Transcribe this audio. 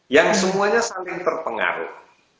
yang semuanya saling terpengaruh